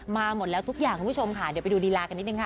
หมดแล้วทุกอย่างคุณผู้ชมค่ะเดี๋ยวไปดูรีลากันนิดนึงค่ะ